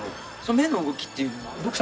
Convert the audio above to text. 目の動きっていうのは？